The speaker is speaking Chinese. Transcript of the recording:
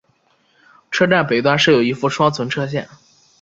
车站北端设有一副双存车线。